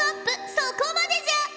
そこまでじゃ！